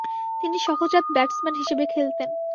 তিনি সহজাত ব্যাটসম্যান হিসেবে খেলতেন।